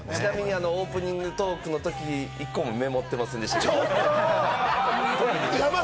オープニングトークの時、一個もメモってませんでした。